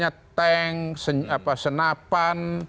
melahirkan misalnya tank senapan